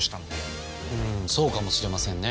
うーんそうかもしれませんね。